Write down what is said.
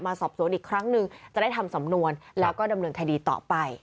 สอบสวนอีกครั้งหนึ่งจะได้ทำสำนวนแล้วก็ดำเนินคดีต่อไป